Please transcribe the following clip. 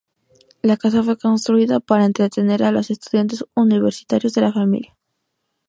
La casa fue construida para entretener a los estudiantes universitarios de la familia.